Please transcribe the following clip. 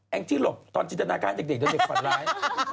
แอ้งที่หลบตอนจิตนาการเด็กโดยเด็กฝันร้าย